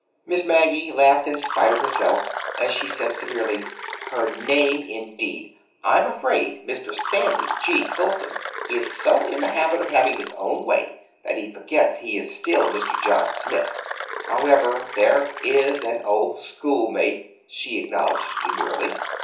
Miss Maggie laughed in spite of herself, as she said severely: "Her name, indeed! I'm afraid Mr. Stanley G. Fulton is so in the habit of having his own way that he forgets he is still Mr. John Smith. However, there is an old schoolmate," she acknowledged demurely.